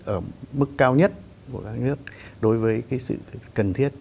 ở mức cao nhất của các nước đối với cái sự cần thiết